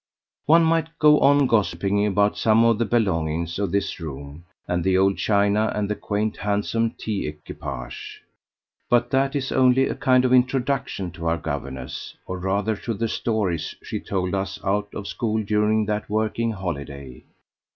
One might go on gossiping about some of the "belongings" of this room, and the old china and the quaint handsome tea equipage, but that this is only a kind of introduction to our governess, or rather to the stories she told us out of school during that working holiday.